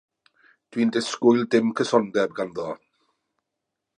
Dwi'n disgwyl dim cysondeb ganddo.